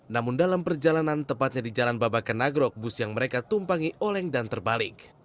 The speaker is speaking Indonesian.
namun dalam perjalanan tepatnya di jalan babakan nagrok bus yang mereka tumpangi oleng dan terbalik